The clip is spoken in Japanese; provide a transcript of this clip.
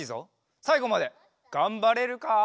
さいごまでがんばれるか？